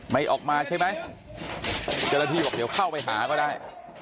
ไม่ออกมาใช่ไหมเจ้าหน้าที่บอกเดี๋ยวเข้าไปหาก็ได้